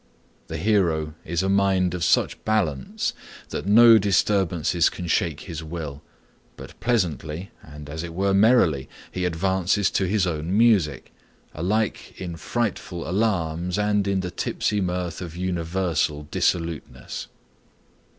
The hero is a mind of such balance that no disturbances can shake his will, but pleasantly and as it were merrily he advances to his own music, alike in frightful alarms and in the tipsy mirth of universal dissoluteness.